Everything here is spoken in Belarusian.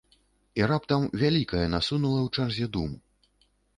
І раптам вялікае насунула ў чарзе дум.